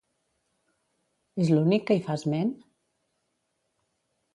És l'únic que hi fa esment?